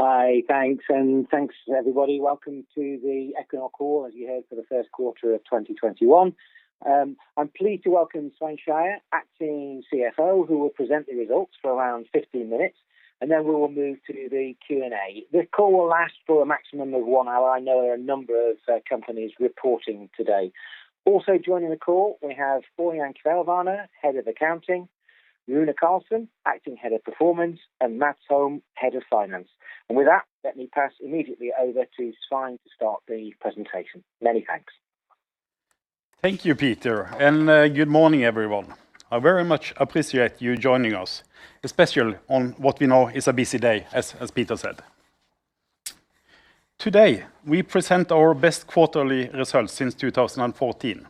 Hi, thanks, and thanks everybody. Welcome to the Equinor Call, as you heard, for the first quarter of 2021. I'm pleased to welcome Svein Skeie, acting CFO, who will present the results for around 15 minutes, and then we will move to the Q&A. This call will last for a maximum of one hour. I know there are a number of companies reporting today. Also joining the call, we have Ørjan Kvelvane, head of accounting, Rune Karlsen, acting head of performance, and Mads Holm, head of finance. With that, let me pass immediately over to Svein to start the presentation. Many thanks. Thank you, Peter. Good morning, everyone. I very much appreciate you joining us, especially on what we know is a busy day as Peter said. Today, we present our best quarterly results since 2014.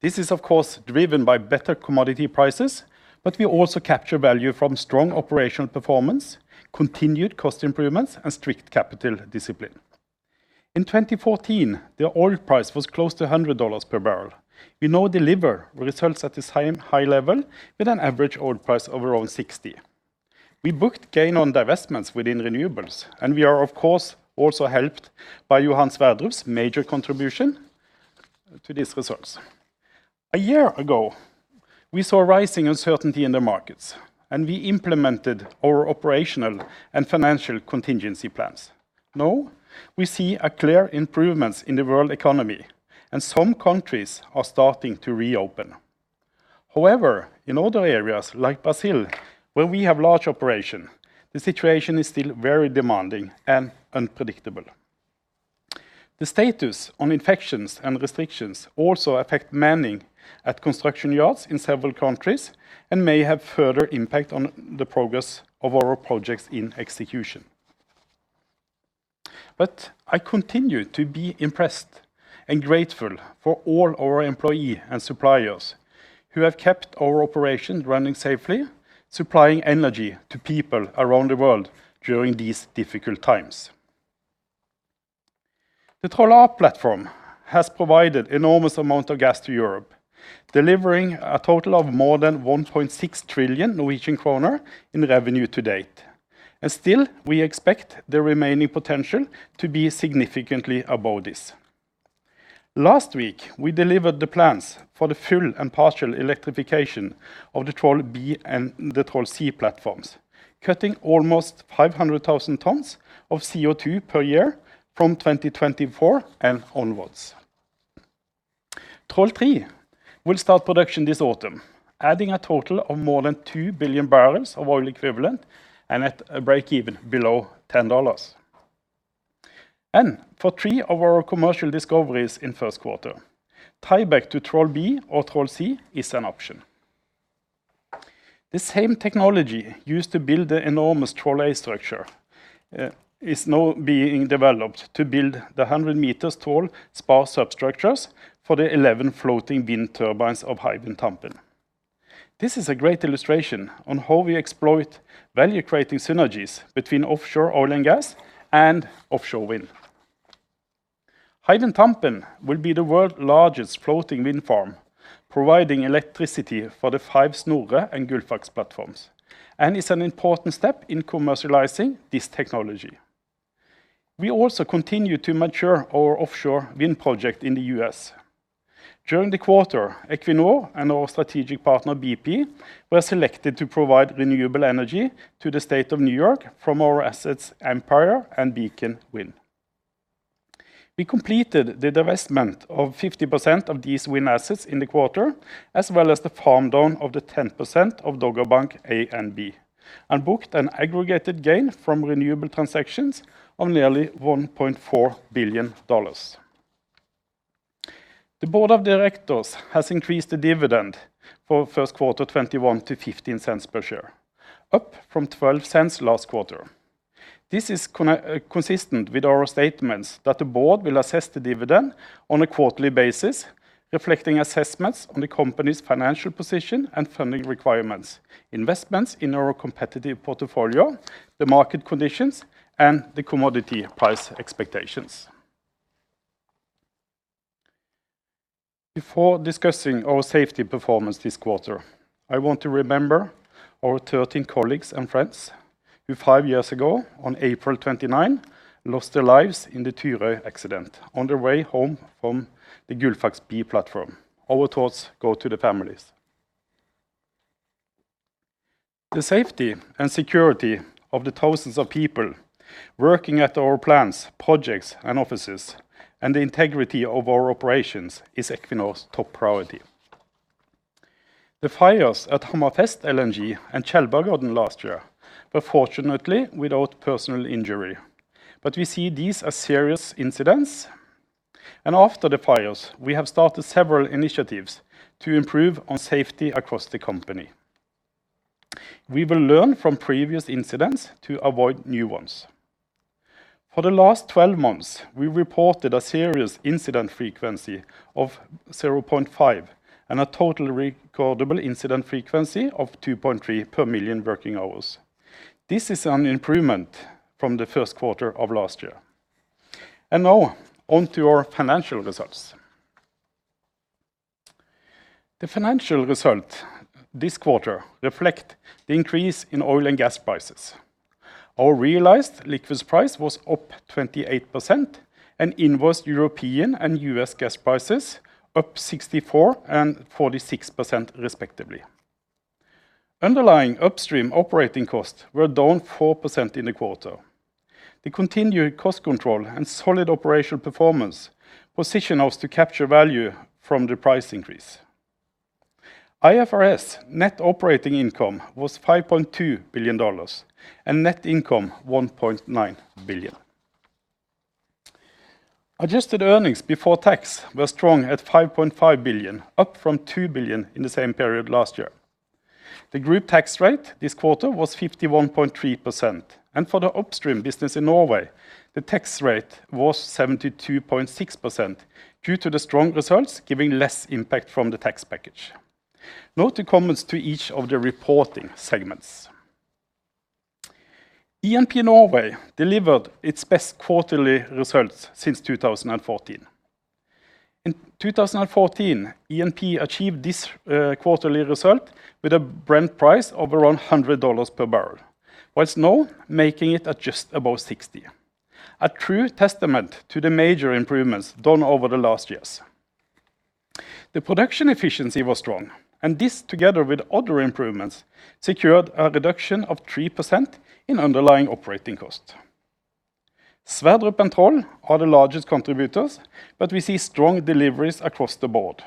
This is of course driven by better commodity prices, but we also capture value from strong operational performance, continued cost improvements, and strict capital discipline. In 2014, the oil price was close to $100 per barrel. We now deliver results at the same high level with an average oil price of around $60. We booked gain on divestments within renewables, and we are of course also helped by Johan Sverdrup's major contribution to these results. A year ago, we saw rising uncertainty in the markets, and we implemented our operational and financial contingency plans. Now, we see a clear improvement in the world economy and some countries are starting to reopen. In other areas like Brazil, where we have large operations, the situation is still very demanding and unpredictable. The status on infections and restrictions also affect manning at construction yards in several countries and may have further impact on the progress of our projects in execution. I continue to be impressed and grateful for all our employees and suppliers who have kept our operations running safely, supplying energy to people around the world during these difficult times. The Troll A platform has provided enormous amount of gas to Europe, delivering a total of more than 1.6 trillion Norwegian kroner in revenue to date, still we expect the remaining potential to be significantly above this. Last week, we delivered the plans for the full and partial electrification of the Troll B and the Troll C platforms, cutting almost 500,000 tons of CO2 per year from 2024 and onwards. Troll 3 start production this autumn, adding a total of more than 2 billion bbl of oil equivalent and at a breakeven below $10. For three of our commercial discoveries in first quarter, tieback to Troll B or Troll C is an option. The same technology used to build the enormous Troll A structure is now being developed to build the 100 meters tall spar substructures for the 11 floating wind turbines of Hywind Tampen. This is a great illustration on how we exploit value-creating synergies between offshore oil and gas and offshore wind. Hywind Tampen will be the world's largest floating wind farm, providing electricity for the five Snorre and Gullfaks platforms, and is an important step in commercializing this technology. We also continue to mature our offshore wind project in the U.S. During the quarter, Equinor and our strategic partner BP were selected to provide renewable energy to the state of New York from our assets Empire and Beacon Wind. We completed the divestment of 50% of these wind assets in the quarter, as well as the farm down of the 10% of Dogger Bank A and B, and booked an aggregated gain from renewable transactions of nearly $1.4 billion. The board of directors has increased the dividend for first quarter 2021 to $0.15 per share, up from $0.12 last quarter. This is consistent with our statements that the board will assess the dividend on a quarterly basis, reflecting assessments on the company's financial position and funding requirements, investments in our competitive portfolio, the market conditions, and the commodity price expectations. Before discussing our safety performance this quarter, I want to remember our 13 colleagues and friends who five years ago, on April 29, lost their lives in the Turøy accident on their way home from the Gullfaks B platform. Our thoughts go to the families. The safety and security of the thousands of people working at our plants, projects, and offices, and the integrity of our operations is Equinor's top priority. The fires at Hammerfest LNG and Tjeldbergodden last year were fortunately without personal injury, but we see these as serious incidents, and after the fires, we have started several initiatives to improve on safety across the company. We will learn from previous incidents to avoid new ones. For the last 12 months, we reported a serious incident frequency of 0.5 and a total recordable incident frequency of 2.3 per million working hours. This is an improvement from the first quarter of last year. Now, on to our financial results. The financial results this quarter reflect the increase in oil and gas prices. Our realized liquids price was up 28% and invoice European and U.S. gas prices up 64% and 46%, respectively. Underlying upstream operating costs were down 4% in the quarter. The continued cost control and solid operational performance position us to capture value from the price increase. IFRS net operating income was $5.2 billion. Net income $1.9 billion. Adjusted earnings before tax were strong at $5.5 billion, up from $2 billion in the same period last year. The group tax rate this quarter was 51.3%. For the upstream business in Norway, the tax rate was 72.6% due to the strong results giving less impact from the tax package. Now to comments to each of the reporting segments. E&P Norway delivered its best quarterly results since 2014. In 2014, E&P achieved this quarterly result with a Brent price of around $100 per barrel, whilst now making it at just above $60. A true testament to the major improvements done over the last years. The production efficiency was strong, this together with other improvements, secured a reduction of 3% in underlying operating costs. Sverdrup and Troll are the largest contributors, we see strong deliveries across the board.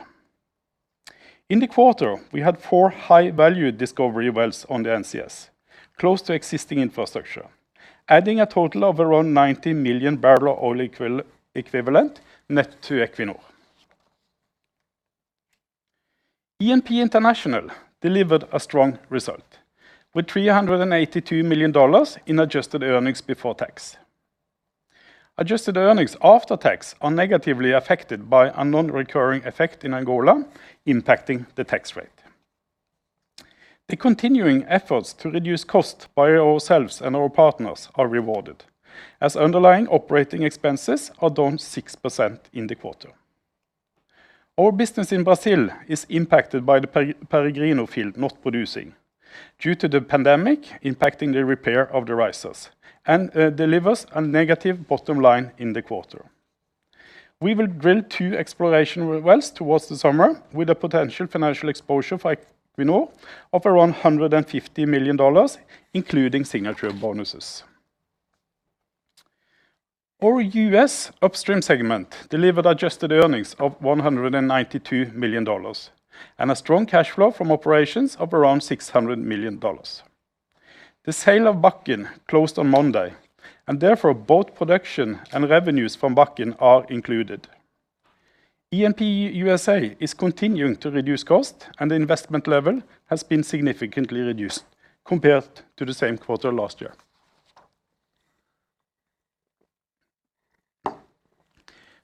In the quarter, we had four high-value discovery wells on the NCS, close to existing infrastructure, adding a total of around 90 million barrel oil equivalent net to Equinor. E&P International delivered a strong result with $382 million in adjusted earnings before tax. Adjusted earnings after tax are negatively affected by a non-recurring effect in Angola impacting the tax rate. The continuing efforts to reduce cost by ourselves and our partners are rewarded as underlying operating expenses are down 6% in the quarter. Our business in Brazil is impacted by the Peregrino field not producing due to the pandemic impacting the repair of the risers and delivers a negative bottom line in the quarter. We will drill two exploration wells towards the summer with a potential financial exposure for Equinor of around $150 million, including signature bonuses. Our U.S. upstream segment delivered adjusted earnings of $192 million and a strong cash flow from operations of around $600 million. The sale of Bakken closed on Monday, therefore both production and revenues from Bakken are included. E&P USA is continuing to reduce cost and the investment level has been significantly reduced compared to the same quarter last year.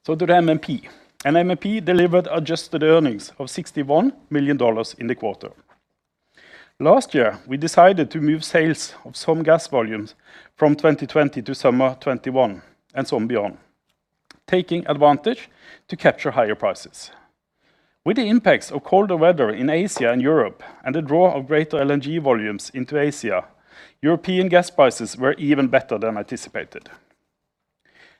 To the MMP. MMP delivered adjusted earnings of $61 million in the quarter. Last year, we decided to move sales of some gas volumes from 2020 to summer 2021 and so on beyond, taking advantage to capture higher prices. With the impacts of colder weather in Asia and Europe and the draw of greater LNG volumes into Asia, European gas prices were even better than anticipated.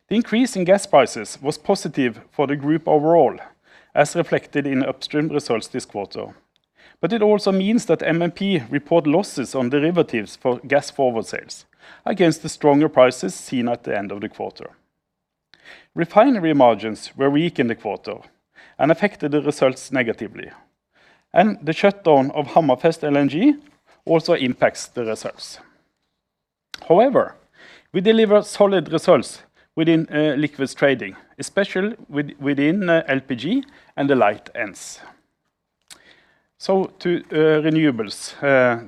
The increase in gas prices was positive for the group overall, as reflected in upstream results this quarter. It also means that MMP report losses on derivatives for gas forward sales against the stronger prices seen at the end of the quarter. Refinery margins were weak in the quarter and affected the results negatively, and the shutdown of Hammerfest LNG also impacts the results. However, we deliver solid results within liquids trading, especially within LPG and the light ends. To renewables,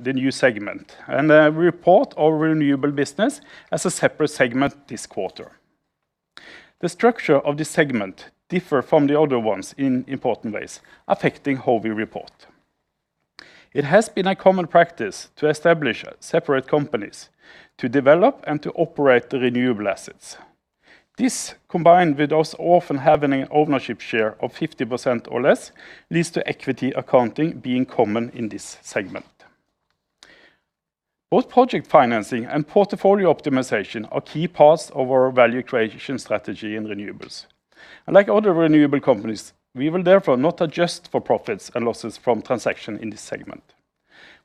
the new segment. We report our renewable business as a separate segment this quarter. The structure of this segment differs from the other ones in important ways, affecting how we report. It has been a common practice to establish separate companies to develop and to operate the renewable assets. This, combined with us often having an ownership share of 50% or less, leads to equity accounting being common in this segment. Both project financing and portfolio optimization are key parts of our value creation strategy in renewables. Like other renewable companies, we will therefore not adjust for profits and losses from transactions in this segment.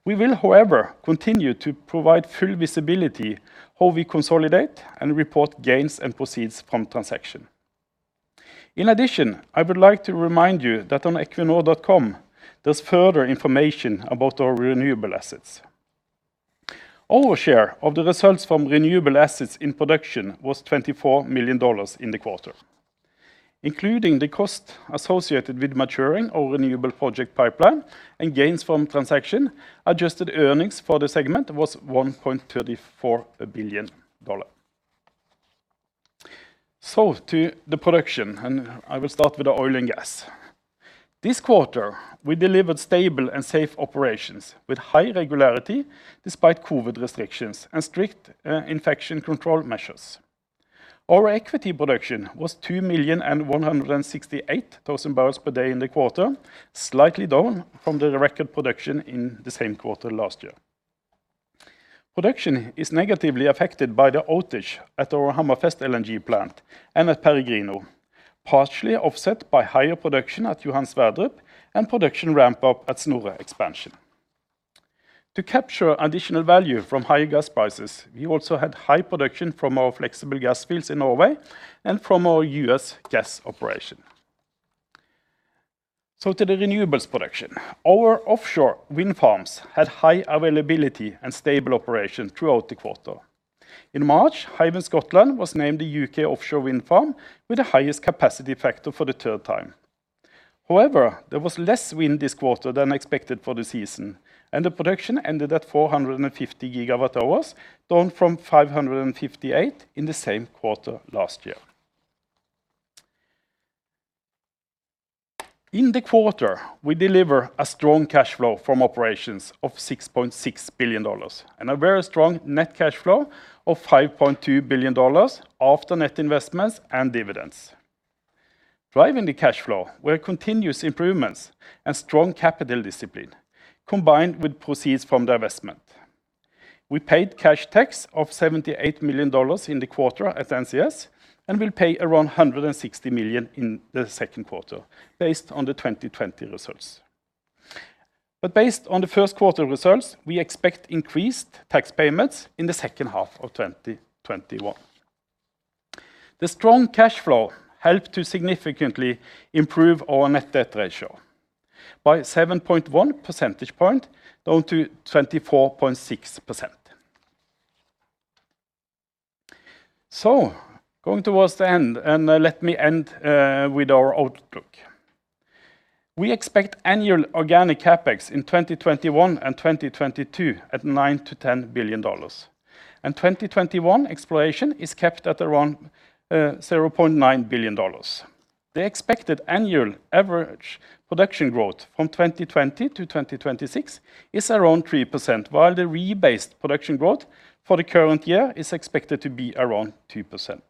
We will, however, continue to provide full visibility how we consolidate and report gains and proceeds from transactions. In addition, I would like to remind you that on equinor.com, there's further information about our renewable assets. Our share of the results from renewable assets in production was $24 million in the quarter. Including the cost associated with maturing our renewable project pipeline and gains from transaction, adjusted earnings for the segment was $1.34 billion. To the production, and I will start with the oil and gas. This quarter, we delivered stable and safe operations with high regularity despite COVID restrictions and strict infection control measures. Our equity production was 2,168,000 bbl per day in the quarter, slightly down from the record production in the same quarter last year. Production is negatively affected by the outage at our Hammerfest LNG plant, and at Peregrino, partially offset by higher production at Johan Sverdrup and production ramp up at Snorre expansion. To capture additional value from higher gas prices, we also had high production from our flexible gas fields in Norway and from our U.S. gas operation. To the renewables production. Our offshore wind farms had high availability and stable operation throughout the quarter. In March, Hywind Scotland was named the U.K. offshore wind farm with the highest capacity factor for the third time. There was less wind this quarter than expected for the season, and the production ended at 450 GW hours, down from 558 GW in the same quarter last year. In the quarter, we deliver a strong cash flow from operations of $6.6 billion and a very strong net cash flow of $5.2 billion after net investments and dividends. Driving the cash flow were continuous improvements and strong capital discipline, combined with proceeds from the investment. We paid cash tax of $78 million in the quarter at NCS and will pay around $160 million in the second quarter based on the 2020 results. Based on the first quarter results, we expect increased tax payments in the second half of 2021. The strong cash flow helped to significantly improve our net debt ratio by 7.1 percentage point down to 24.6%. Going towards the end, let me end with our outlook. We expect annual organic CapEx in 2021 and 2022 at $9 billion-$10 billion. In 2021, exploration is kept at around $0.9 billion. The expected annual average production growth from 2020 to 2026 is around 3%, while the rebased production growth for the current year is expected to be around 2%.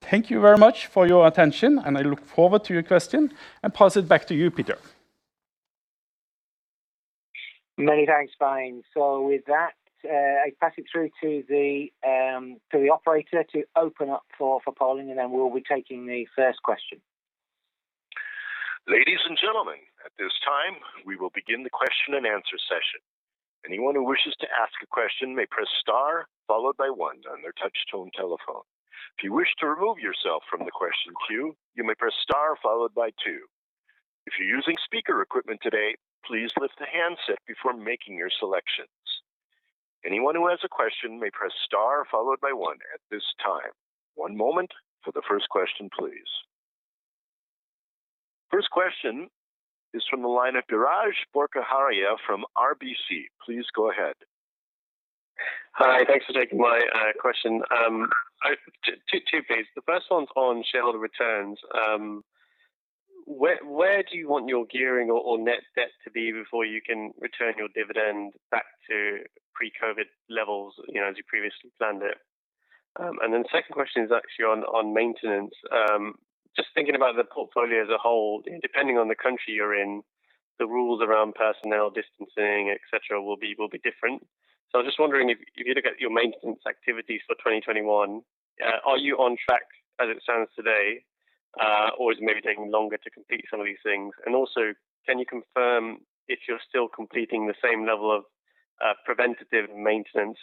Thank you very much for your attention, I look forward to your question, pass it back to you, Peter Hutton. Many thanks, Svein. With that, I pass it through to the operator to open up for calling, and then we'll be taking the first question. Ladies and gentlemen, at this time we will begin the question and answer session. If anyone wishes to ask a question, they press star followed by one on their touchtone telephone. If you wish to remove yourself from the question queue, you may press star followed by two. If you're using speaker equipment today please lift the handset before making your selection. Anyone who has a question may press star followed by one at this time. One moment for the first question please. First Question is from the line of Biraj Borkhataria from RBC. Please go ahead. Hi, thanks for taking my question. Two, please. The first one's on shareholder returns. Where do you want your gearing or net debt to be before you can return your dividend back to pre-COVID levels as you previously planned it? Second question is actually on maintenance. Just thinking about the portfolio as a whole, depending on the country you're in, the rules around personnel distancing, et cetera, will be different. I'm just wondering if you look at your maintenance activities for 2021, are you on track as it stands today? Or is it maybe taking longer to complete some of these things? Also, can you confirm if you're still completing the same level of preventative maintenance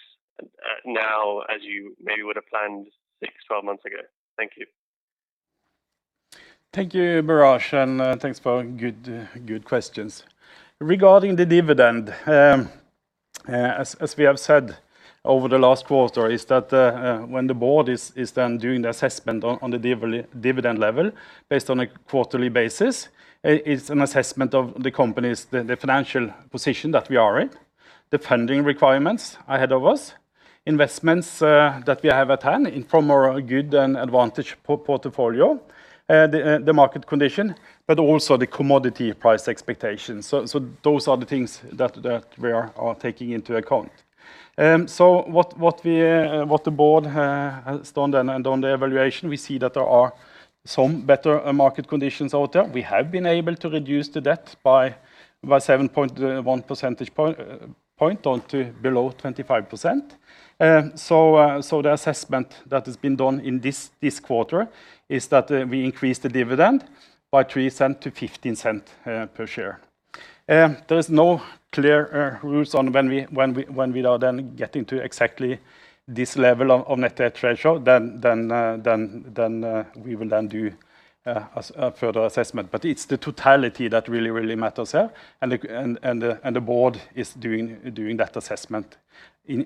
now as you maybe would have planned six, 12 months ago? Thank you. Thank you, Biraj. Thanks for good questions. Regarding the dividend, as we have said over the last quarter, is that when the board is then doing the assessment on the dividend level based on a quarterly basis, it's an assessment of the company's financial position that we are in, the funding requirements ahead of us, investments that we have at hand from our good and advantaged portfolio, the market condition, but also the commodity price expectations. Those are the things that we are taking into account. What the board has done then on the evaluation, we see that there are some better market conditions out there. We have been able to reduce the debt by 7.1 percentage point down to below 25%. The assessment that has been done in this quarter is that we increase the dividend by $0.03 to $0.15 per share. There is no clear rules on when we are then getting to exactly this level of net debt ratio than we will then do a further assessment. It's the totality that really matters here, and the board is doing that assessment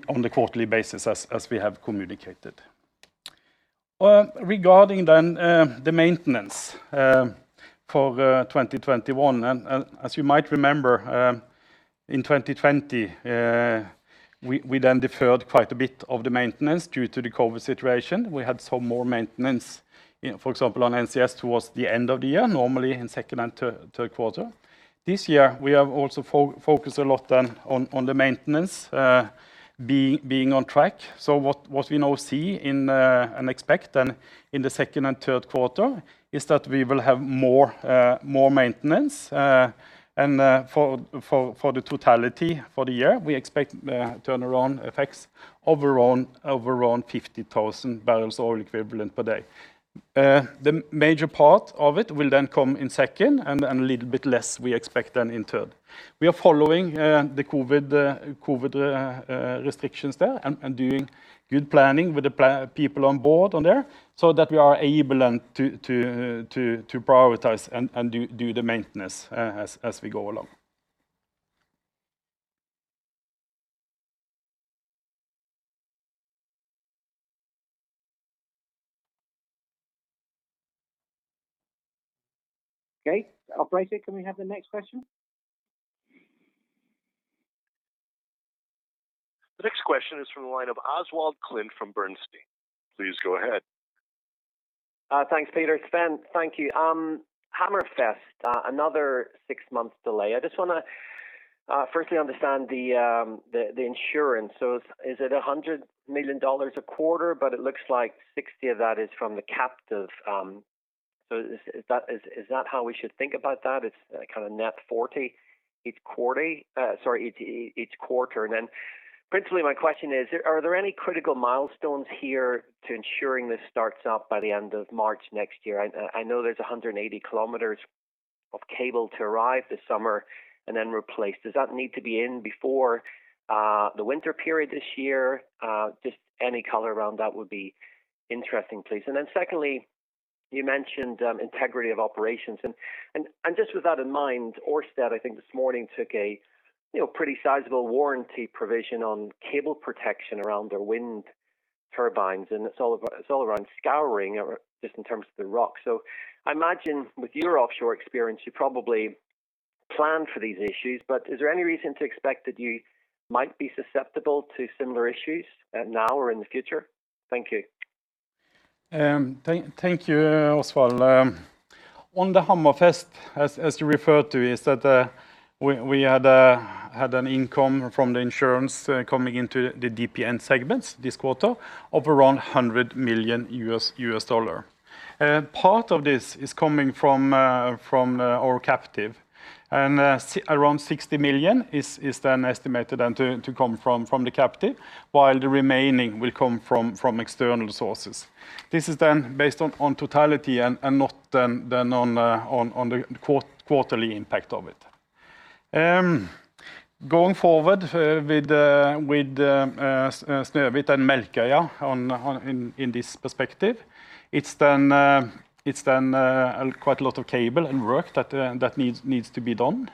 on the quarterly basis as we have communicated. Regarding then the maintenance for 2021, as you might remember, in 2020, we then deferred quite a bit of the maintenance due to the COVID situation. We had some more maintenance, for example on NCS towards the end of the year, normally in second and third quarter. This year, we have also focused a lot then on the maintenance being on track. What we now see and expect in the second and third quarter is that we will have more maintenance. For the totality for the year, we expect turnaround effects of around 50,000 bbl oil equivalent per day. The major part of it will then come in second and a little bit less we expect then in third. We are following the COVID restrictions there and doing good planning with the people on board there so that we are able to prioritize and do the maintenance as we go along. Okay. Operator, can we have the next question? The next question is from the line of Oswald Clint from Bernstein. Please go ahead. Thanks, Peter. Svein, thank you. Hammerfest, another six months delay. I just want to firstly understand the insurance. Is it $100 million a quarter, it looks like $60 million of that is from the captive. Is that how we should think about that? It's kind of net $40 million each quarter. Principally my question is, are there any critical milestones here to ensuring this starts up by the end of March next year? I know there's 180 km of cable to arrive this summer and then replace. Does that need to be in before the winter period this year? Just any color around that would be interesting, please. Secondly, you mentioned integrity of operations. Just with that in mind, Ørsted, I think this morning took a pretty sizable warranty provision on cable protection around their wind turbines. It's all around scouring or just in terms of the rock. I imagine with your offshore experience, you probably plan for these issues, but is there any reason to expect that you might be susceptible to similar issues now or in the future? Thank you. Thank you, Oswald. On the Hammerfest, as you referred to, is that we had an income from the insurance coming into the DPN segments this quarter of around $100 million. Part of this is coming from our captive and around $60 million is then estimated to come from the captive while the remaining will come from external sources. This is then based on totality and not then on the quarterly impact of it. Going forward with Snøhvit and Melkøya in this perspective, it's then quite a lot of cable and work that needs to be done.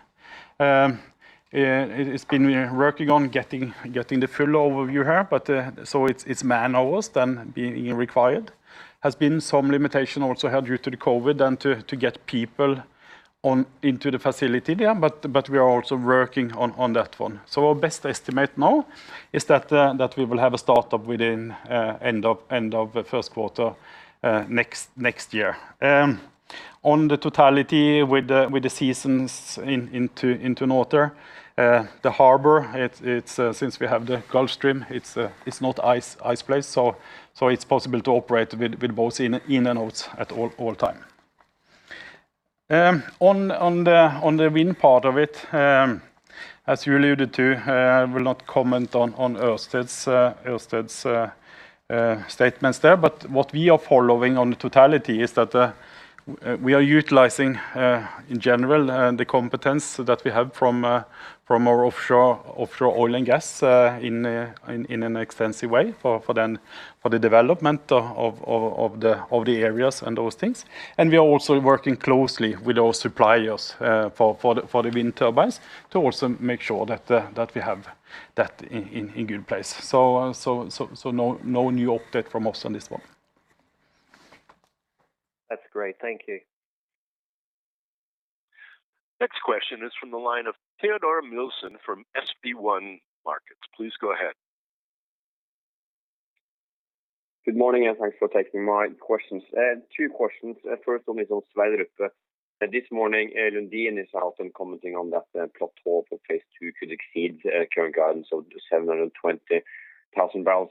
It's been working on getting the full overview here, so it's man-hours then being required. Has been some limitation due to the COVID and to get people into the facility there, but we are also working on that one. Our best estimate now is that we will have a start-up within end of first quarter next year. On the totality with the seasons into Northern, the harbor, since we have the Gulf Stream, it's not iced place, so it's possible to operate with both in and out at all time. On the wind part of it, as you alluded to, I will not comment on Ørsted's statements there, but what we are following on the totality is that we are utilizing, in general, the competence that we have from our offshore oil and gas in an extensive way for the development of the areas and those things. We are also working closely with our suppliers for the wind turbines to also make sure that we have that in good place. No new update from us on this one. That's great. Thank you. Next question is from the line of Teodor Nilsen from SpareBank 1 Markets. Please go ahead. Good morning, thanks for taking my questions. Two questions. First one is on Sverdrup. This morning, Lundin is out and commenting on that plateau for phase II could exceed current guidance of the 720,000 bbl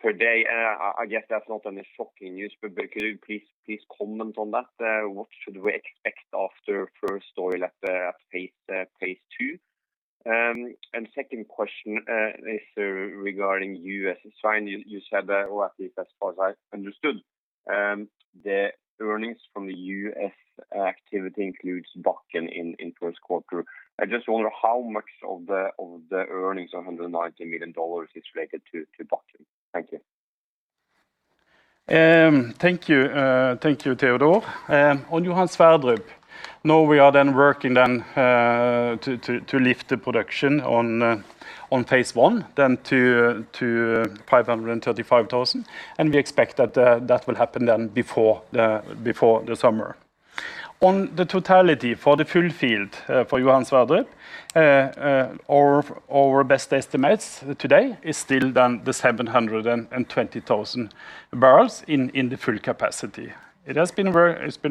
per day. I guess that's not any shocking news, could you please comment on that? What should we expect after first oil at phase II? Second question is regarding U.S. sign. You said that, or at least as far as I understood, the earnings from the U.S. activity includes Bakken in first quarter. I just wonder how much of the earnings of $190 million is related to Bakken. Thank you. Thank you. Thank you, Teodor. Johan Sverdrup, now we are working to lift the production on Phase I to 535,000, and we expect that that will happen before the summer. The totality for the full field for Johan Sverdrup, our best estimates today is still the 720,000 bbl in the full capacity. It's been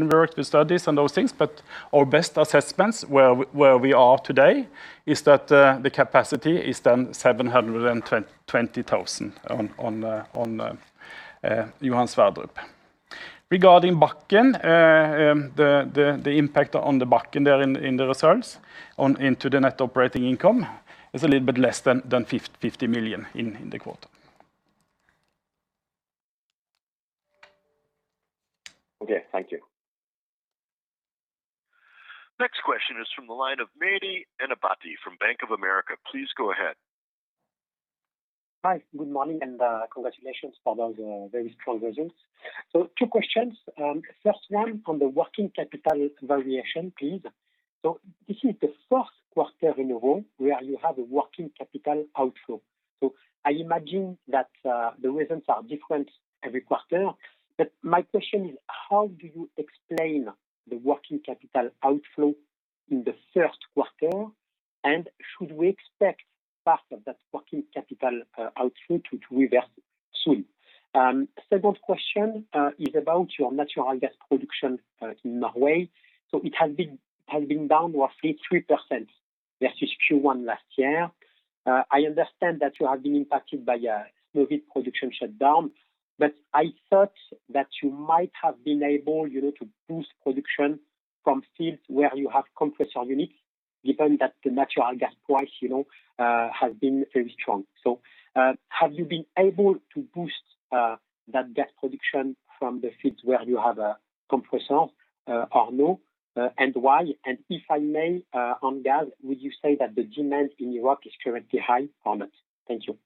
work to study some of those things, but our best assessments where we are today is that the capacity is 720,000 bbl on Johan Sverdrup. Regarding Bakken, the impact on the Bakken there in the results into the net operating income is a little bit less than $50 million in the quarter. Okay. Thank you. Next question is from the line of Mehdi Ennebati from Bank of America. Please go ahead. Hi, good morning, and congratulations for those very strong results. Two questions. First one on the working capital variation, please. This is the first quarter in a row where you have a working capital outflow. I imagine that the reasons are different every quarter, but my question is, how do you explain the working capital outflow in the first quarter? Should we expect part of that working capital outflow to reverse soon? Second question is about your natural gas production in Norway. It has been down roughly 3% versus Q1 last year. I understand that you have been impacted by a Snøhvit production shutdown, but I thought that you might have been able to boost production from fields where you have compressor units, given that the natural gas price has been very strong. Have you been able to boost that gas production from the fields where you have a compressor or no, and why? If I may, on gas, would you say that the demand in Europe is currently high on it? Thank you.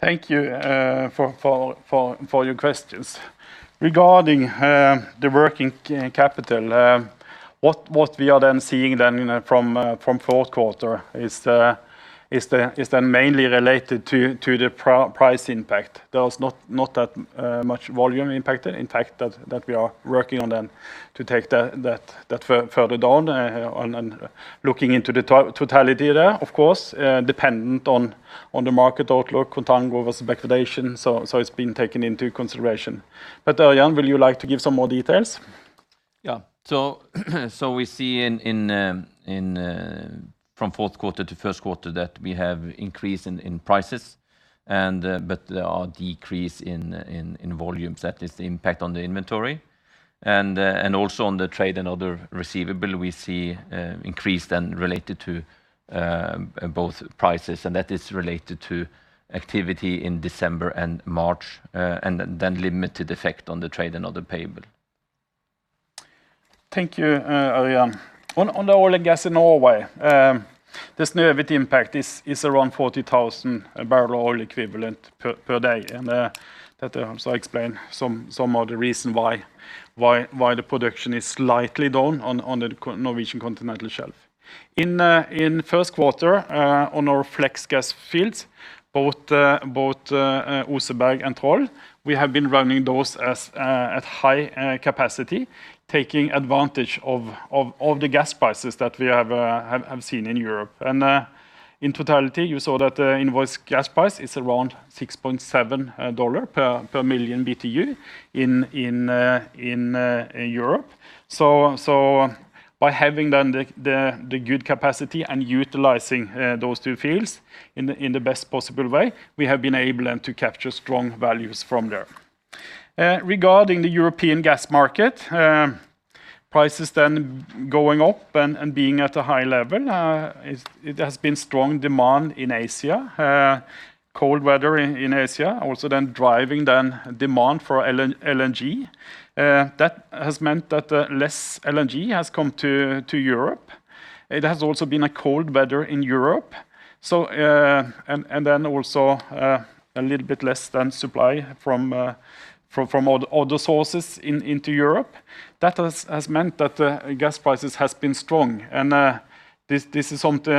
Thank you for your questions. Regarding the working capital, what we are then seeing then from fourth quarter is then mainly related to the price impact. There was not that much volume impact, in fact that we are working on to take that further down and looking into the totality there, of course, dependent on the market outlook, contango versus backwardation. It's been taken into consideration. Ørjan, will you like to give some more details? We see from fourth quarter to first quarter that we have increase in prices, but there are decrease in volumes. That is the impact on the inventory and also on the trade and other receivable we see increase then related to both prices and that is related to activity in December and March. Limited effect on the trade and other payable. Thank you, Ørjan. On the oil and gas in Norway, the Snøhvit impact is around 40,000 bbl oil equivalent per day. That also explain some of the reason why the production is slightly down on the Norwegian Continental Shelf. In first quarter, on our flex gas fields, both Oseberg and Troll, we have been running those at high capacity, taking advantage of all the gas prices that we have seen in Europe. In totality, you saw that invoice gas price is around $6.70 per million BTU in Europe. By having done the good capacity and utilizing those two fields in the best possible way, we have been able then to capture strong values from there. Regarding the European gas market, prices then going up and being at a high level, it has been strong demand in Asia. Cold weather in Asia also then driving then demand for LNG. That has meant that less LNG has come to Europe. It has also been a cold weather in Europe. Also a little bit less then supply from other sources into Europe. That has meant that gas prices has been strong. This is something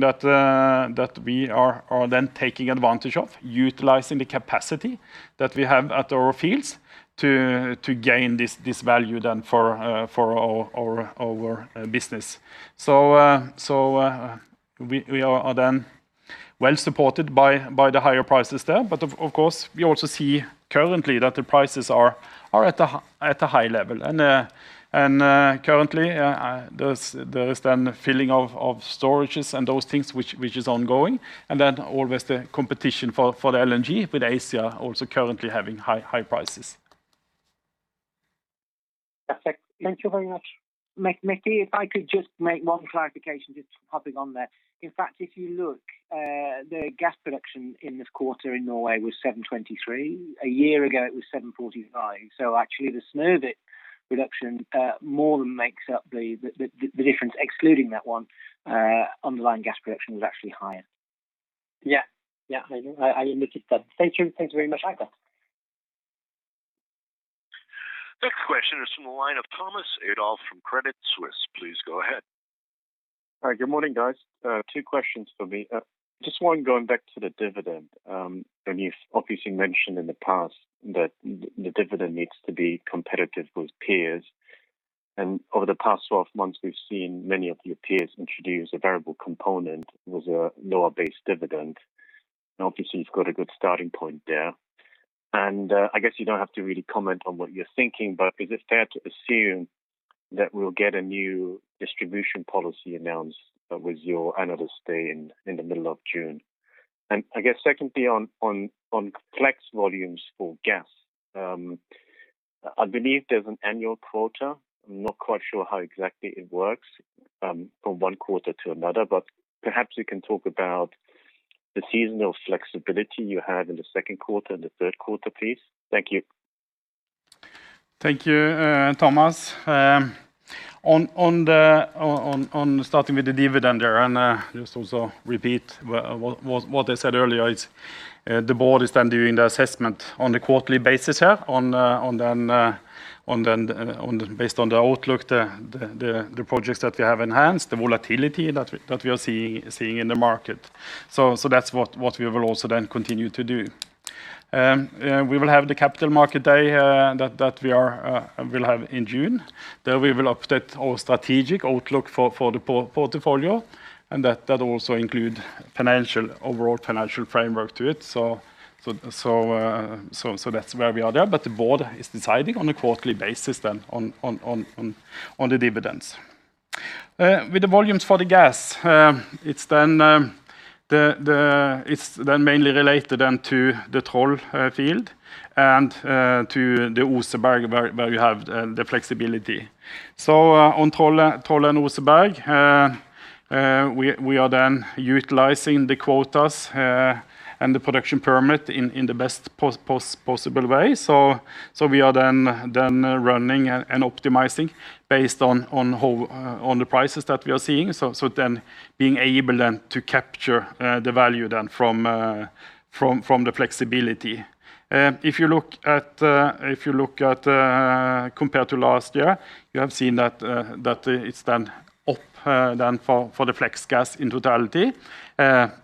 that we are then taking advantage of, utilizing the capacity that we have at our fields to gain this value then for our business. We are then well supported by the higher prices there. Of course, we also see currently that the prices are at a high level and currently there is then filling of storages and those things which is ongoing, and then always the competition for the LNG with Asia also currently having high prices. Perfect. Thank you very much. Maybe, if I could just make one clarification just to hop in on there. If you look, the gas production in this quarter in Norway was 723. A year ago it was 745. Actually the Snøhvit reduction more than makes up the difference excluding that one, underlying gas production was actually higher. Yeah. I know. I indicated that. Thank you. Thanks very much. Bye now. Next question is from the line of Thomas Adolff from Credit Suisse. Please go ahead. Hi, good morning, guys. Two questions for me. Just one going back to the dividend. You've obviously mentioned in the past that the dividend needs to be competitive with peers, and over the past 12 months, we've seen many of your peers introduce a variable component with a lower base dividend. Obviously, you've got a good starting point there, and I guess you don't have to really comment on what you're thinking, but is it fair to assume that we'll get a new distribution policy announced with your analyst day in the middle of June. I guess secondly, on flex volumes for gas. I believe there's an annual quota. I'm not quite sure how exactly it works from one quarter to another, but perhaps you can talk about the seasonal flexibility you had in the second quarter and the third quarter, please. Thank you. Thank you, Thomas. Starting with the dividend there, just also repeat what I said earlier is the board is doing the assessment on the quarterly basis here based on the outlook, the projects that we have enhanced, the volatility that we are seeing in the market. That's what we will also continue to do. We will have the Capital Market Day that we'll have in June. There we will update our strategic outlook for the portfolio, that also include overall financial framework to it. That's where we are there, the board is deciding on a quarterly basis on the dividends. With the volumes for the gas, it's mainly related to the Troll field and to the Oseberg where we have the flexibility. On Troll and Oseberg, we are then utilizing the quotas and the production permit in the best possible way. We are then running and optimizing based on the prices that we are seeing. Being able then to capture the value then from the flexibility. If you look at compared to last year, you have seen that it's then up then for the flex gas in totality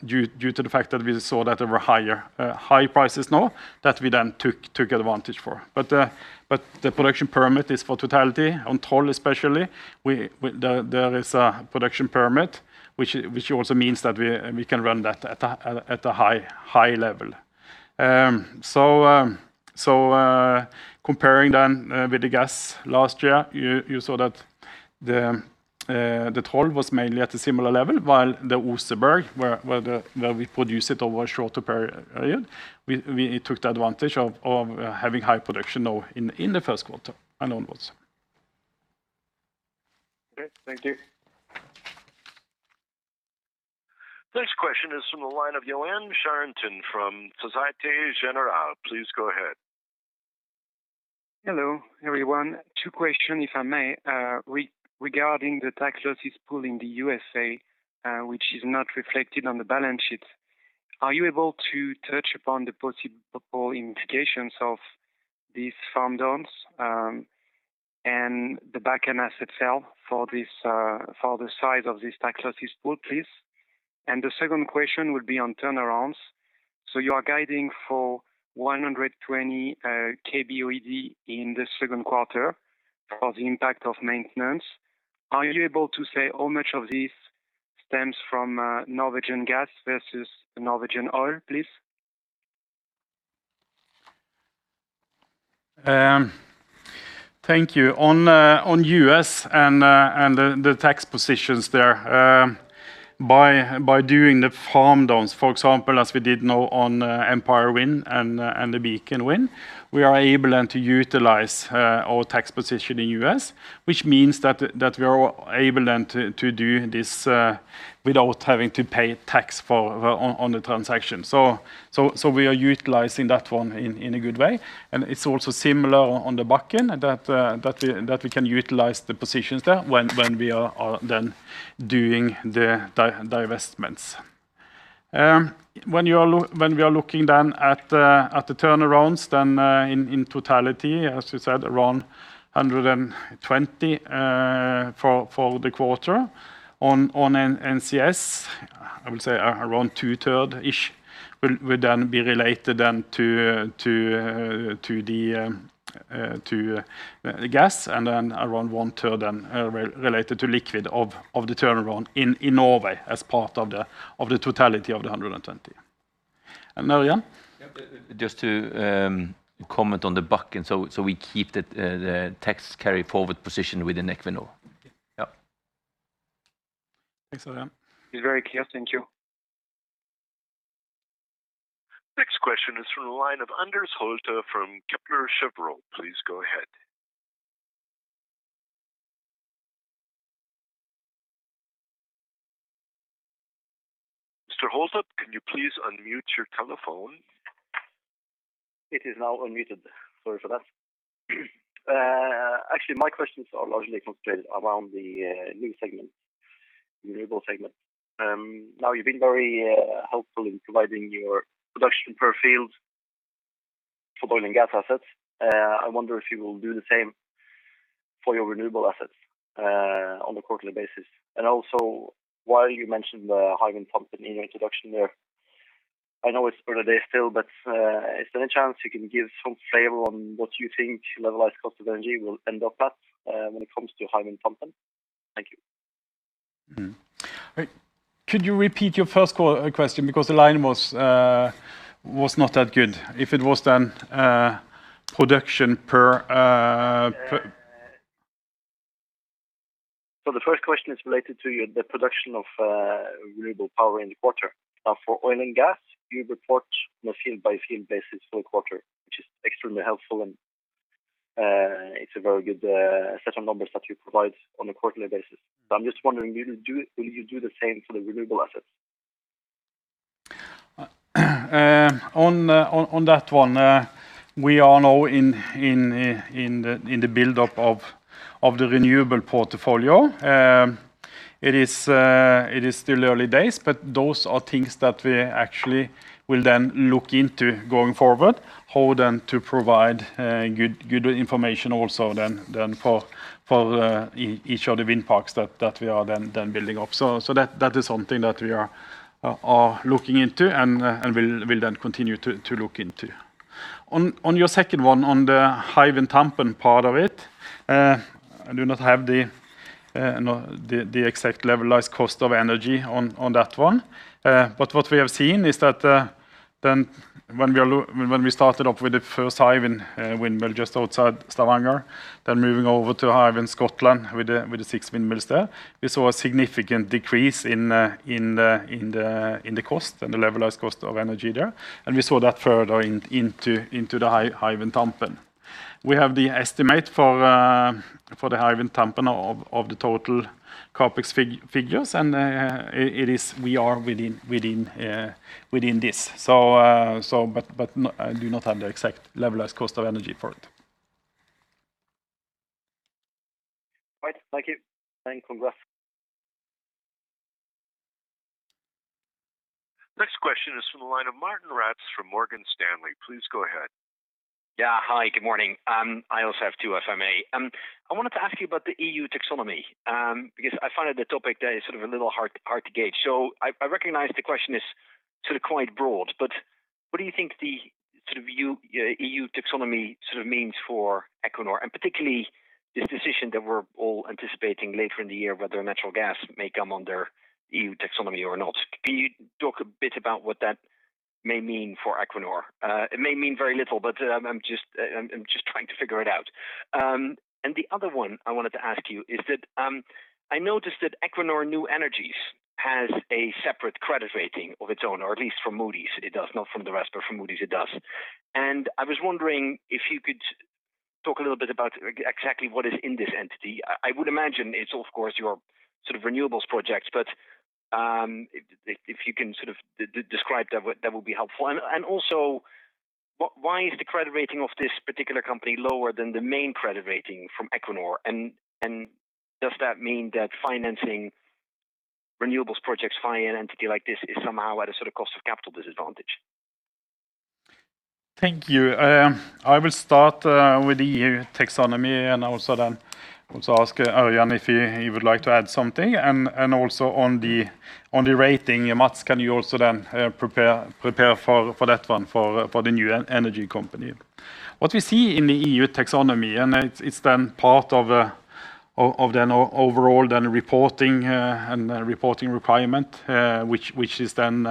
due to the fact that we saw that there were high prices now that we then took advantage for. The production permit is for totality on Troll especially. There is a production permit which also means that we can run that at a high level. Comparing then with the gas last year, you saw that the Troll was mainly at a similar level while the Oseberg where we produce it over a shorter period, we took the advantage of having high production now in the first quarter and onwards. Okay, thank you. Next question is from the line of Yoann Charenton from Societe Generale. Please go ahead. Hello, everyone. Two question, if I may? Regarding the tax losses pool in the U.S.A., which is not reflected on the balance sheet, are you able to touch upon the possible implications of these farm downs, and the back-end asset sale for the size of this tax losses pool, please? The second question would be on turnarounds. You are guiding for 120 kboe/d in the second quarter for the impact of maintenance. Are you able to say how much of this stems from Norwegian gas versus Norwegian oil, please? Thank you. On U.S. and the tax positions there, by doing the farm downs, for example, as we did now on Empire Wind and the Beacon Wind, we are able then to utilize our tax position in U.S., which means that we are able then to do this without having to pay tax on the transaction. We are utilizing that one in a good way. It's also similar on the back-end that we can utilize the positions there when we are then doing the divestments. When we are looking then at the turnarounds then in totality, as you said, around 120 for the quarter on NCS, I would say around 2/3-ish will then be related then to the gas and then around 1/3 then related to liquid of the turnaround in Norway as part of the totality of the 120. Ørjan? Yep. Just to comment on the back-end, we keep the tax carry forward position within Equinor. Yeah. Thanks, Ørjan. It's very clear. Thank you. Next question is from the line of Anders Holte from Kepler Cheuvreux. Please go ahead. Mr. Holte, can you please unmute your telephone? It is now unmuted. Sorry for that. Actually, my questions are largely concentrated around the new segment, renewable segment. Now, you've been very helpful in providing your production per field for oil and gas assets. I wonder if you will do the same for your renewable assets on a quarterly basis. And also, while you mentioned the Hywind Tampen in your introduction there, I know it's early days still, but is there any chance you can give some flavor on what you think levelized cost of energy will end up at when it comes to Hywind Tampen? Thank you. Could you repeat your first question? The line was not that good. If it was then production per- The first question is related to the production of renewable power in the quarter. For oil and gas, you report on a field by field basis for the quarter, which is extremely helpful and it's a very good set of numbers that you provide on a quarterly basis. I'm just wondering, will you do the same for the renewable assets? On that one, we are now in the build-up of the renewable portfolio. It is still early days, those are things that we actually will then look into going forward, how then to provide good information also then for each of the wind parks that we are then building up. That is something that we are looking into and will then continue to look into. On your second one, on the Hywind Tampen part of it, I do not have the exact levelized cost of energy on that one. What we have seen is that when we started off with the first Hywind windmill just outside Stavanger, then moving over to Hywind Scotland with the six windmills there, we saw a significant decrease in the cost and the levelized cost of energy there. We saw that further into the Hywind Tampen. We have the estimate for the Hywind Tampen of the total CapEx figures, and we are within this. I do not have the exact levelized cost of energy for it. Right. Thank you. Thanks. Congrats. Next question is from the line of Martijn Rats from Morgan Stanley. Please go ahead. Yeah. Hi, good morning. I also have two, if I may. I wanted to ask you about the EU taxonomy, because I find it a topic that is sort of a little hard to gauge. I recognize the question is sort of quite broad, but what do you think the sort of EU taxonomy means for Equinor, and particularly this decision that we're all anticipating later in the year, whether natural gas may come under EU taxonomy or not. Can you talk a bit about what that may mean for Equinor? It may mean very little, but I'm just trying to figure it out. The other one I wanted to ask you is that I noticed that Equinor New Energies has a separate credit rating of its own, or at least from Moody's it does. Not from the rest, but from Moody's it does. I was wondering if you could talk a little bit about exactly what is in this entity. I would imagine it's, of course, your sort of renewables projects, but if you can sort of describe that would be helpful. Also, why is the credit rating of this particular company lower than the main credit rating from Equinor? Does that mean that financing renewables projects via an entity like this is somehow at a sort of cost of capital disadvantage? Thank you. I will start with the EU taxonomy and also ask Ørjan if he would like to add something. On the rating, Mads, can you also then prepare for that one for the new energy company. What we see in the EU taxonomy, it's then part of the overall reporting requirement, which is then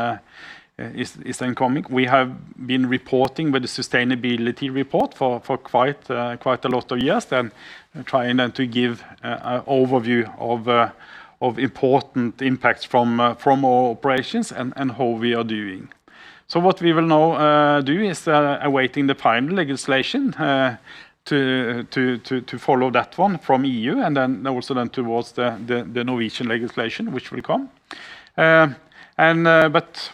incoming. We have been reporting with the sustainability report for quite a lot of years, trying to give overview of important impacts from our operations and how we are doing. What we will now do is awaiting the final legislation to follow that one from EU towards the Norwegian legislation which will come.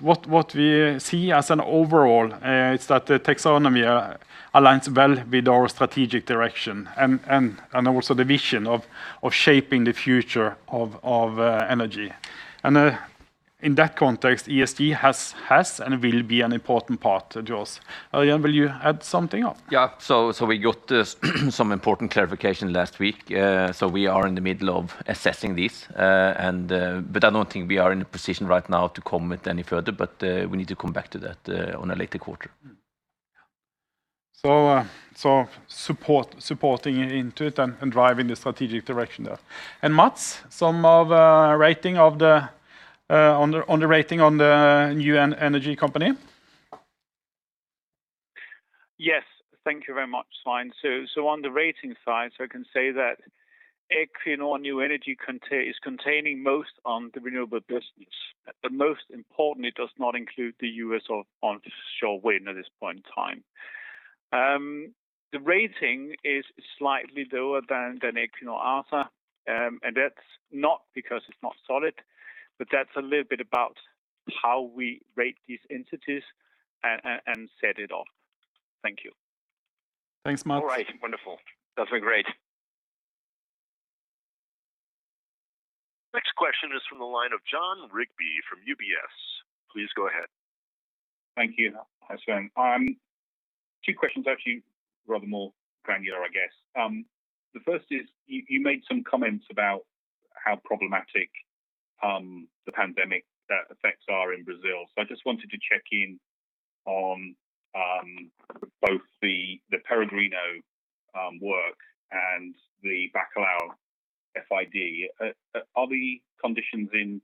What we see as an overall is that the taxonomy aligns well with our strategic direction and also the vision of shaping the future of energy. In that context, ESG has and will be an important part to us. Ørjan, will you add something up? Yeah. We got some important clarification last week. We are in the middle of assessing this. I don't think we are in a position right now to comment any further, but we need to come back to that on a later quarter. Supporting into it and driving the strategic direction there. Mads, some of rating on the new energy company. Yes, thank you very much, Svein. On the rating side, I can say that New Energy Solutions is containing most on the renewable business, but most important, it does not include the U.S. offshore wind at this point in time. The rating is slightly lower than Equinor ASA, that's not because it's not solid, that's a little bit about how we rate these entities and set it up. Thank you. Thanks, Mads. All right. Wonderful. That's been great. Next question is from the line of Jon Rigby from UBS. Please go ahead. Thank you, Svein. Two questions, actually. Rather more granular, I guess. The first is you made some comments about how problematic the pandemic effects are in Brazil. I just wanted to check on both the Peregrino work and the Bacalhau FID. Are the conditions in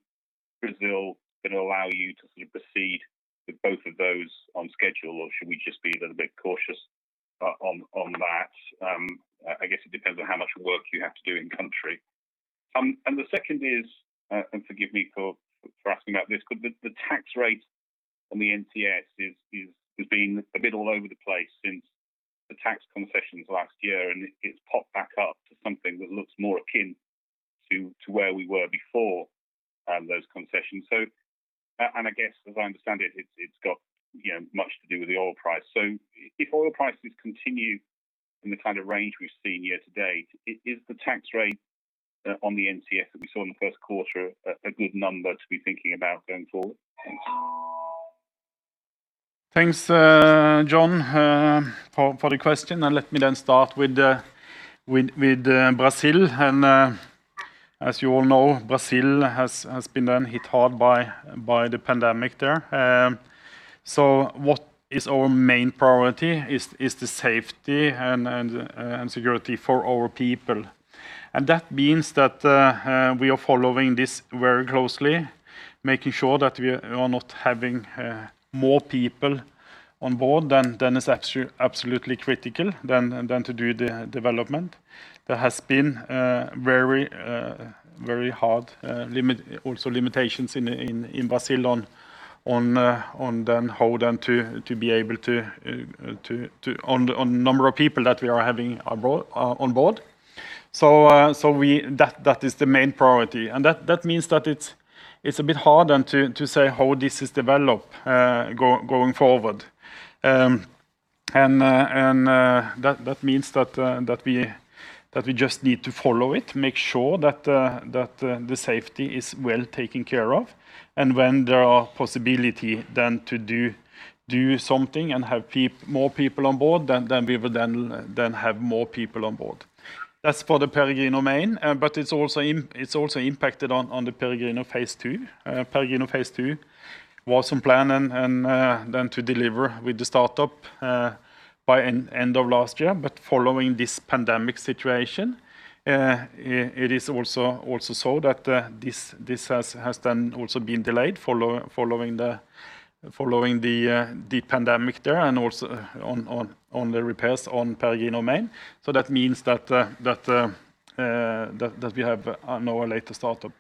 Brazil going to allow you to proceed with both of those on schedule, or should we just be a little bit cautious on that? I guess it depends on how much work you have to do in-country. The second is, and forgive me for asking about this, the tax rate on the NCS has been a bit all over the place since the tax concessions last year, and it's popped back up to something that looks more akin to where we were before those concessions. I guess, as I understand it's got much to do with the oil price. If oil prices continue in the kind of range we've seen year to date, is the tax rate on the NCS that we saw in the first quarter a good number to be thinking about going forward? Thanks. Thanks, Jon, for the question. Let me start with Brazil. As you all know, Brazil has been hit hard by the pandemic there. What is our main priority is the safety and security for our people. That means that we are following this very closely, making sure that we are not having more people on board than is absolutely critical than to do the development. There has been very hard also limitations in Brazil on number of people that we are having on board. That is the main priority, and that means that it's a bit hard to say how this is developed going forward. That means that we just need to follow it, make sure that the safety is well taken care of, and when there are possibility then to do something and have more people on board, then we will then have more people on board. That's for the Peregrino Main, but it's also impacted on the Peregrino Phase II. Peregrino Phase II was in plan and then to deliver with the startup by end of last year. Following this pandemic situation, it is also so that this has then also been delayed following the pandemic there and also on the repairs on Peregrino Main. That means that we have now a later startup.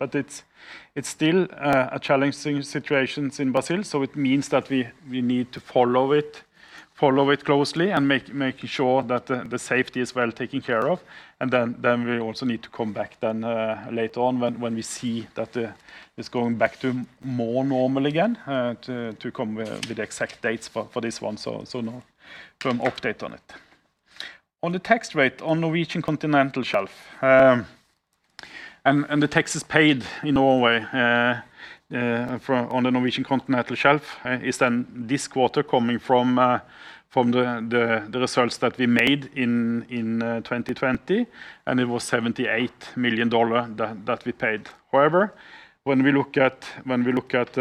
It's still a challenging situation in Brazil, so it means that we need to follow it closely and making sure that the safety is well taken care of. We also need to come back then later on when we see that it's going back to more normal again to come with the exact dates for this one. No firm update on it. On the tax rate on Norwegian Continental Shelf, and the taxes paid in Norway on the Norwegian Continental Shelf is then this quarter coming from the results that we made in 2020, and it was $ 78 million that we paid. However, when we look at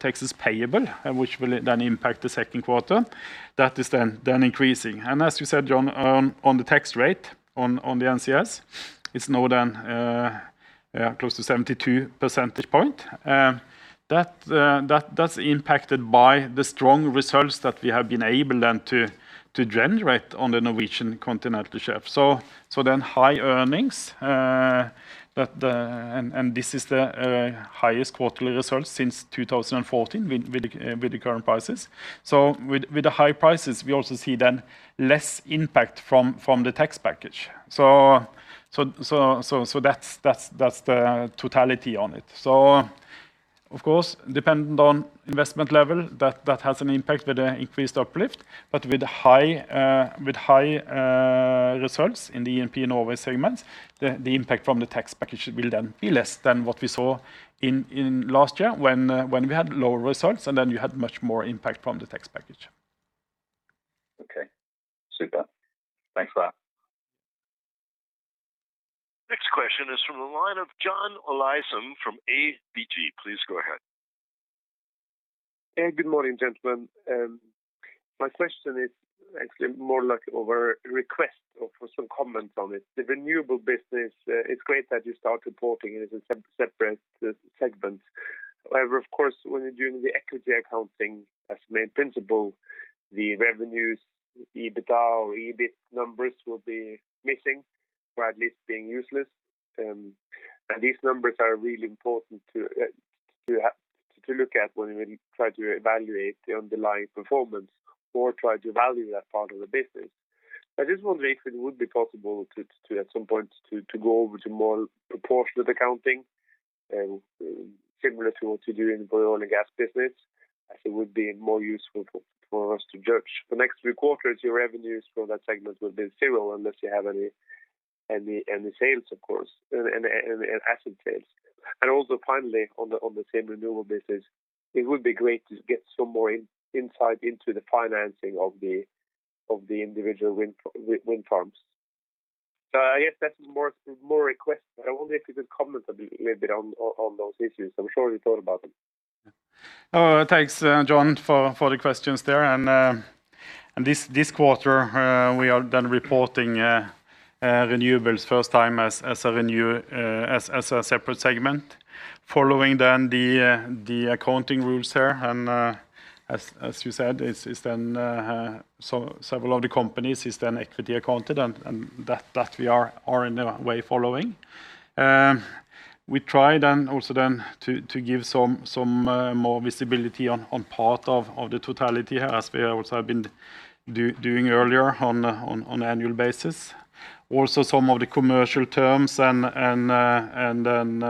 taxes payable, which will then impact the second quarter, that is then increasing. As you said, Jon, on the tax rate on the NCS, it's now then close to 72 percentage point. That's impacted by the strong results that we have been able then to generate on the Norwegian Continental Shelf. High earnings, and this is the highest quarterly result since 2014 with the current prices. With the high prices, we also see then less impact from the tax package. That's the tota lity on it. Of course, dependent on investment level, that has an impact with the increased uplift, but with high results in the E&P Norway segments, the impact from the tax package will then be less than what we saw in last year when we had lower results, and then you had much more impact from the tax package. Okay. Super. Thanks for that. Next question is from the line of John Olaisen from ABG. Please go ahead. Hey, good morning, gentlemen. My question is actually more like over request or for some comments on it. The renewable business, it's great that you start reporting it as a separate segment. However, of course, when you're doing the equity accounting as main principle, the revenues, EBITDA or EBIT numbers will be missing or at least being useless. These numbers are really important to look at when we try to evaluate the underlying performance or try to value that part of the business. I just wonder if it would be possible to, at some point, to go over to more proportionate accounting similar to what you do in the oil and gas business, as it would be more useful for us to judge. For next three quarters, your revenues for that segment will be zero unless you have any sales, of course, and asset sales. Also finally, on the same renewable business, it would be great to get some more insight into the financing of the individual wind farms. I guess that's more a request, but I wonder if you could comment a little bit on those issues. I'm sure you thought about it. Thanks, John, for the questions there. This quarter, we are then reporting Renewables first time as a separate segment following the accounting rules there. As you said, several of the companies is then equity accounted, and that we are in a way following. We tried also then to give some more visibility on part of the totality as we also have been doing earlier on annual basis. Also, some of the commercial terms and then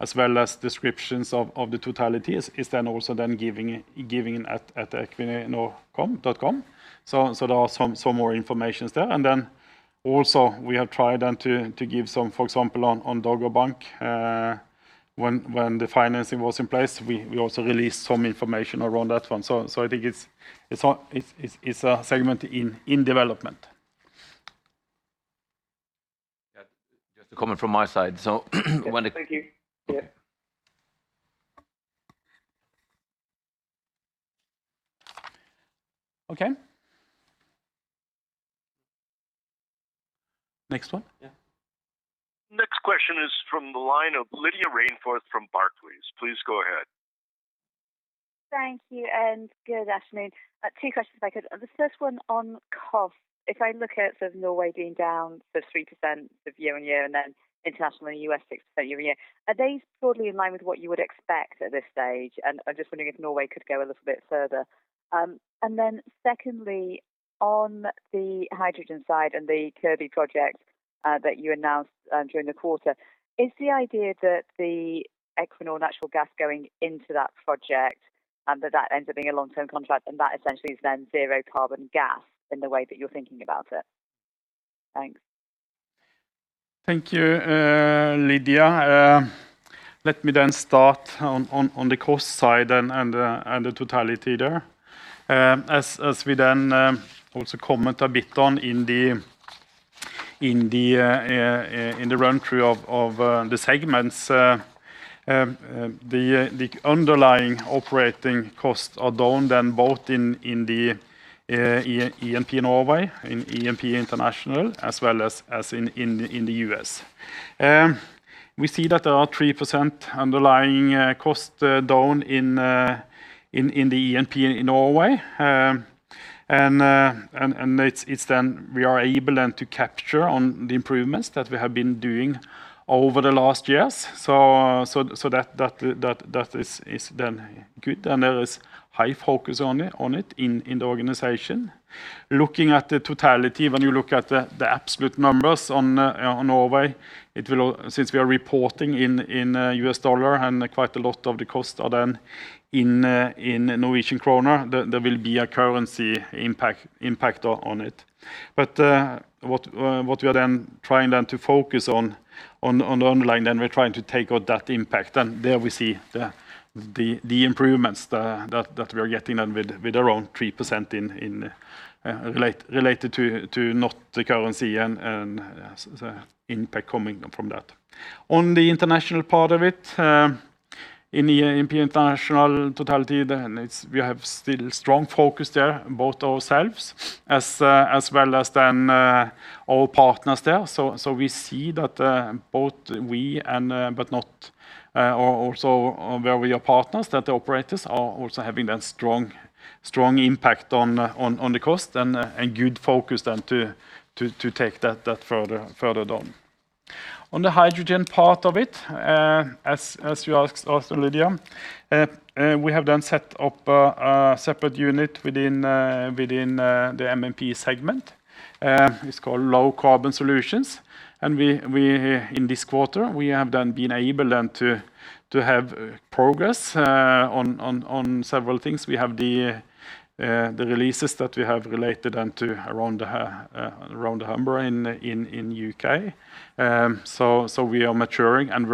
as well as descriptions of the totality is then also then given at equinor.com. There are some more information there. Then also we have tried then to give some, for example, on Dogger Bank, when the financing was in place, we also released some information around that one. I think it's a segment in development. Yeah. Just a comment from my side. Thank you. Yeah. Okay. Next one? Next question is from the line of Lydia Rainforth from Barclays. Please go ahead. Thank you. Good afternoon. Two questions if I could. The first one on cost. If I look at sort of Norway being down sort of 3% year-on-year, then international and U.S. 6% year-on-year, are they broadly in line with what you would expect at this stage? I'm just wondering if Norway could go a little bit further. Secondly, on the hydrogen side and the Keadby project that you announced during the quarter, is the idea that the Equinor natural gas going into that project, and that ends up being a long-term contract, and that essentially is then zero carbon gas in the way that you're thinking about it? Thanks. Thank you, Lydia. Let me start on the cost side and the totality there. As we also comment a bit on in the run through of the segments, the underlying operating costs are down both in the E&P Norway, in E&P International, as well as in the U.S. We see that there are 3% underlying cost down in the E&P in Norway. It's we are able to capture on the improvements that we have been doing over the last years. That is good, and there is high focus on it in the organization. Looking at the totality, when you look at the absolute numbers on Norway, since we are reporting in U.S dollar and quite a lot of the costs are in Norwegian krone, there will be a currency impact on it. What we are then trying to focus on the underlying, then we're trying to take out that impact, and there we see the improvements that we are getting then with around 3% related to not the currency and the impact coming from that. On the international part of it, in the E&P International totality, we have still strong focus there, both ourselves as well as then our partners there. We see that both we and, but not our also where we are partners, that the operators are also having that strong impact on the cost and good focus then to take that further on. On the hydrogen part of it, as you asked also, Lydia, we have then set up a separate unit within the MMP segment. It's called Low Carbon Solutions. In this quarter, we have then been able then to have progress on several things. We have the releases that we have related then to around Humber in U.K. We are maturing and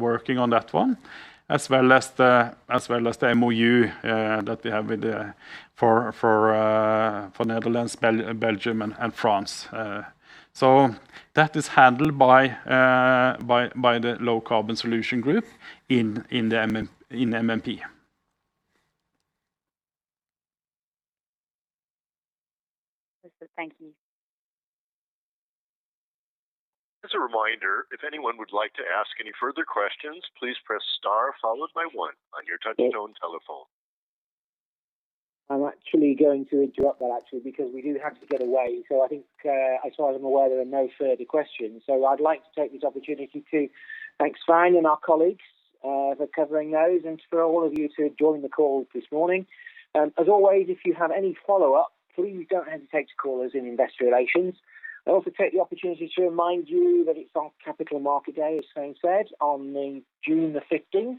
working on that one, as well as the MoU that we have for Netherlands, Belgium, and France. That is handled by the Low Carbon Solutions group in MMP. Thank you. As a reminder, if anyone would like to ask any further questions, please press star followed by one on your touchtone telephone. I'm actually going to interrupt that actually because we do have to get away. I think as far as I'm aware, there are no further questions. I'd like to take this opportunity to thank Svein and our colleagues for covering those and for all of you who have joined the call this morning. As always, if you have any follow-up, please don't hesitate to call us in Investor Relations. I also take the opportunity to remind you that it's our Capital Market Day, as Svein said, on June the 15th.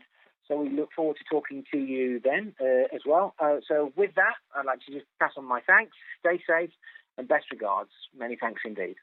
We look forward to talking to you then as well. With that, I'd like to just pass on my thanks. Stay safe and best regards. Many thanks indeed.